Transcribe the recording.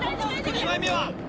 ２枚目は？